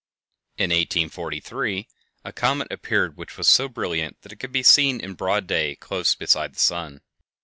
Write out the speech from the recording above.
In 1843 a comet appeared which was so brilliant that it could be seen in broad day close beside the sun!